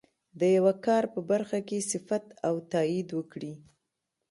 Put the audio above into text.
د یوه کار په برخه کې صفت او تایید وکړي.